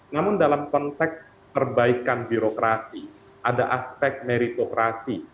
namun dalam konteks perbaikan birokrasi ada aspek meritokrasi